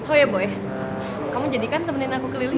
oh iya boy kamu jadikan temenin aku ke lili